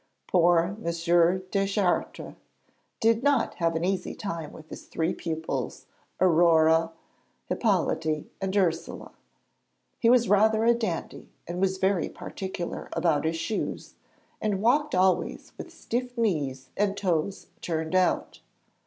Poor M. Deschartres did not have an easy time with his three pupils Aurore, Hippolyte, and Ursule. He was rather a dandy and was very particular about his shoes, and walked always with stiff knees and toes turned out.